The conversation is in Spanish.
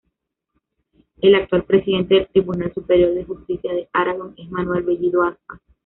El actual presidente del Tribunal Superior de Justicia de Aragón es Manuel Bellido Aspas.